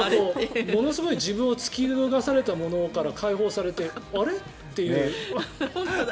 自分を突き動かされたものから解放されて、あれ？っていう。